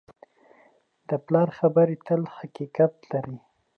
د پلار خبرې تل حقیقت لري.